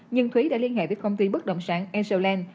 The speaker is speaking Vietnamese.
nhưng thúy đã liên hệ với công ty bất động sản ansal land